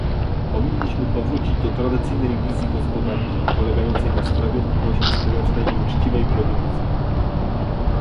Powinniśmy powrócić do tradycyjnej wizji gospodarki polegającej na sprawiedliwości społecznej i uczciwej produkcji